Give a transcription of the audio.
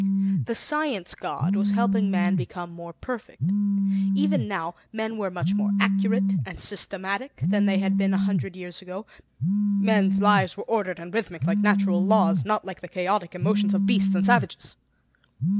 The Science God was helping man become more perfect. Even now, men were much more accurate and systematic than they had been a hundred years ago; men's lives were ordered and rhythmic, like natural laws, not like the chaotic emotions of beasts and savages.